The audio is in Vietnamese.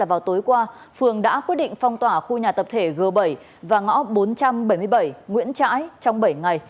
vào tối qua phường đã quyết định phong tỏa khu nhà tập thể g bảy và ngõ bốn trăm bảy mươi bảy nguyễn trãi trong bảy ngày